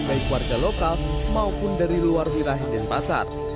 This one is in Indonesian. baik warga lokal maupun dari luar wira dan pasar